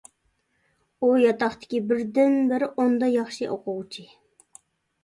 ئۇ ياتاقتىكى بىردىنبىر ئوندا ياخشى ئوقۇغۇچى.